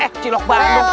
eh cilok bandung